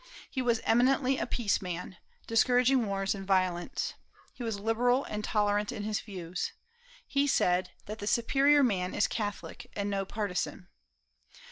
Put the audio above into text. He was eminently a peace man, discouraging wars and violence. He was liberal and tolerant in his views. He said that the "superior man is catholic and no partisan."